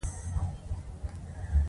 زړه د طبیعت په څېر ساده دی.